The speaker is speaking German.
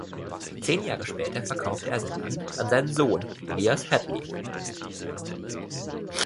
Zehn Jahre später verkaufte er sein Land an seinen Sohn, Elias Hadley.